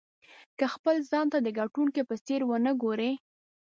که خپل ځان ته د ګټونکي په څېر ونه ګورئ.